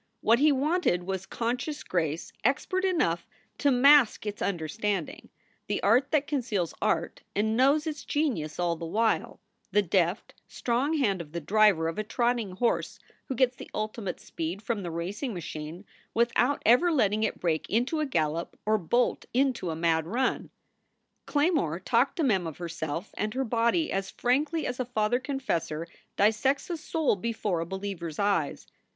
What he wanted was conscious grace expert enough to mask its understanding, the art that conceals art and knows its genius all the while the deft, strong hand of the driver of a trotting horse who gets the ultimate speed from the racing machine without ever letting it break into a gallop or bolt into a mad run. Claymore talked to Mem of herself and her body as frankly as a father confessor dissects a soul before a believer s eyes.